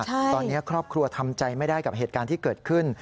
ตอนนี้ครอบครัวทำใจไม่ได้กับเหตุการณ์ที่เกิดขึ้น